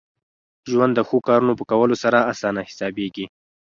ژوند د ښو کارونو په کولو سره اسانه حسابېږي.